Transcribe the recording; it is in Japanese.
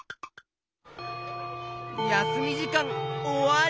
やすみじかんおわり！